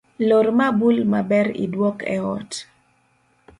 Lor mabul maber iduok eot